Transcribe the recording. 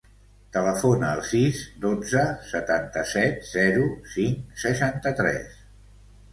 Telefona al sis, dotze, setanta-set, zero, cinc, seixanta-tres.